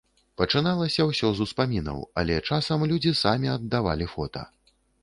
Пачыналася ўсё з успамінаў, але часам людзі самі аддавалі фота.